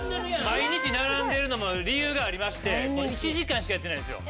毎日並んでるのも理由がありまして１時間しかやってないんですよ。